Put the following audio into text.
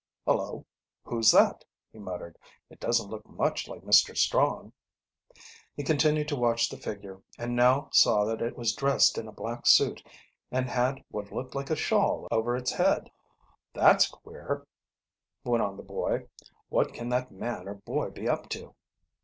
"Hullo, who's that?" he muttered. "It doesn't look much like Mr. Strong." He continued to watch the figure, and now saw that it was dressed in a black suit and had what looked like a shawl over its head. "That's queer," went on the boy. "What can that man or boy be up to?"